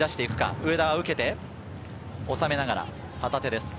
上田が受けて収めながら旗手です。